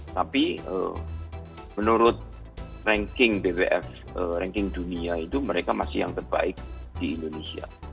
tapi menurut ranking bwf ranking dunia itu mereka masih yang terbaik di indonesia